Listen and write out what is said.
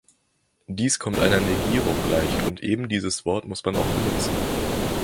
Dies kommt einer Negierung gleich, und eben dieses Wort muss man auch benutzen.